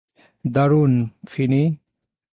দারুণ, ফিনি!